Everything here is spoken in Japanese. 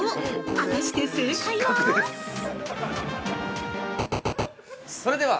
果たして、正解は？